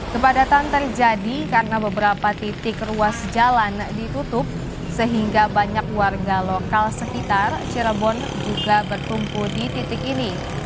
kepadatan terjadi karena beberapa titik ruas jalan ditutup sehingga banyak warga lokal sekitar cirebon juga berkumpul di titik ini